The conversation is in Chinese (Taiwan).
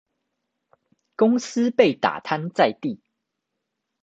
公司被打癱在地